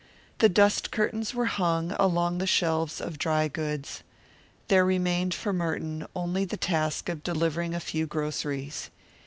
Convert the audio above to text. The dust curtains were hung along the shelves of dry goods. There remained for Merton only the task of delivering a few groceries.